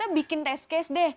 kita bikin test case deh